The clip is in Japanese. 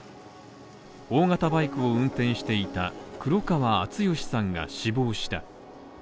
大型バイクを運転していた黒川敦愛さんが死亡した。